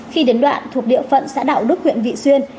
khi đến đoạn thuộc địa phận xã đạo đức huyện vị xuyên